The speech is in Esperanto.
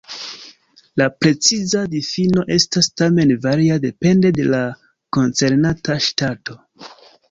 La preciza difino estas tamen varia, depende de la koncernata ŝtato.